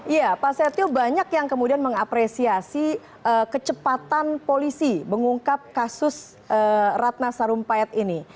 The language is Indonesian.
iya pak setio banyak yang kemudian mengapresiasi kecepatan polisi mengungkap kasus ratna sarumpayat ini